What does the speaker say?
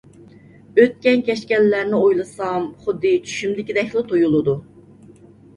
ئۆتكەن - كەچكەنلەرنى ئويلىسام، خۇددى چۈشۈمدىكىدەكلا تۇيۇلىدۇ.